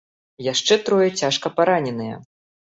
Яшчэ трое цяжка параненыя.